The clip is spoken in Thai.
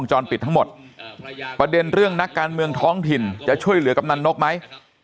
จรปิดทั้งหมดประเด็นเรื่องนักการเมืองท้องถิ่นจะช่วยเหลือกำนันนกไหม